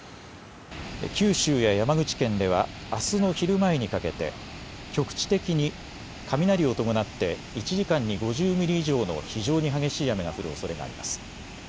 九州や山口県ではあすの昼前にかけて局地的に雷を伴って１時間に５０ミリ以上の非常に激しい雨が降るおそれがあります。